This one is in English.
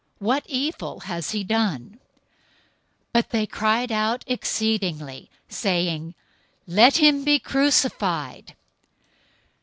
What evil has he done?" But they cried out exceedingly, saying, "Let him be crucified!"